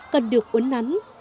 cần được uấn nắn